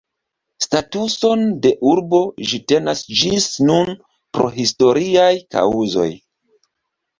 Statuson de urbo ĝi tenas ĝis nun pro historiaj kaŭzoj.